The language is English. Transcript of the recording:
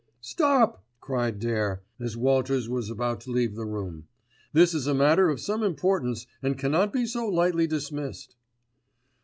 "Stop!" cried Dare, as Walters was about to leave the room. "This is a matter of some importance and cannot be so lightly dismissed."